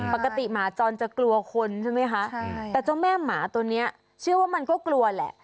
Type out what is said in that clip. ปกติหมาจรจะกลัวคนใช่ไหมคะแต่เจ้าแม่หมาตัวนี้เชื่อว่ามันก็กลัวแหละ